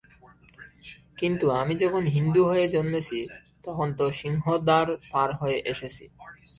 কিন্তু আমি যখন হিন্দু হয়ে জন্মেছি, তখন তো সিংহদ্বার পার হয়ে এসেছি।